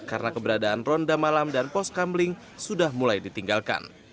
karena keberadaan ronda malam dan poskamling sudah mulai ditinggalkan